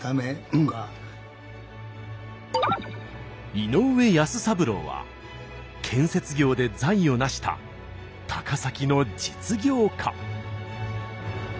井上保三郎は建設業で財を成した高崎の実業家。